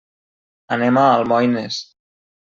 Anem a Almoines.